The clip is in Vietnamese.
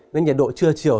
nên nhiệt độ chưa chiều